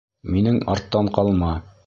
— Минең арттан ҡалма.